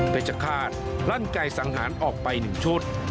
เพชรฆาตลั่นไก่สังหารออกไป๑ชุด